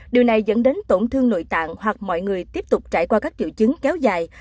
điều này dẫn đến tổn thương nội tạng hoặc mọi người tiếp tục trải qua các triệu chứng kéo dài